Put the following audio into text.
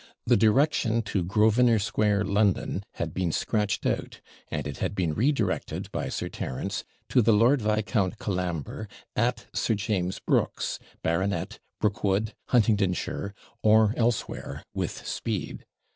The direction to Grosvenor Square, London, had been scratched out; and it had been re directed by Sir Terence to the Lord Viscount Colambre, at Sir James Brooke's, Bart., Brookwood, Huntingdonshire, or elsewhere, with speed.